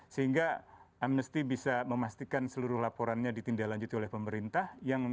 sehingga amnesty bisa memastikan seluruh laporannya ditindaklanjuti oleh pemerintah